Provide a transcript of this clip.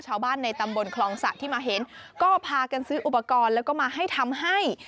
ชาวบ้านในตำบลคลองสะที่มาเห็นก็พากันซื้ออุปกรณ์แล้วก็มาให้ทำให้